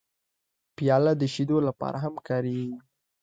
پیاله د شیدو لپاره هم کارېږي.